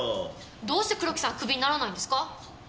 どうして黒木さんクビにならないんですか？